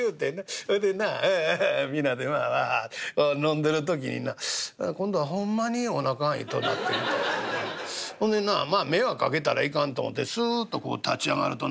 ほいでな皆でこう飲んでる時にな今度はホンマにおなかが痛なってきてなほんでなまあ迷惑かけたらいかんと思てすっとこう立ち上がるとな